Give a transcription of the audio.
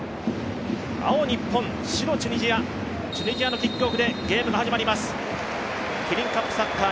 青、日本、白、チュニジアチュニジアのキックオフでゲームが始まります。